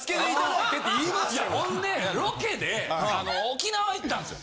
いやほんでロケで沖縄行ったんですよ。